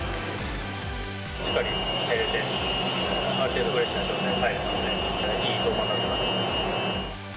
しっかり寝られて、ある程度、フレッシュな状態で入れたので、いい登板だったなと思います。